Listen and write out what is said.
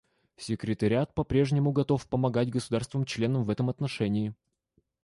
Секретариат по-прежнему готов помогать государствам-членам в этом отношении.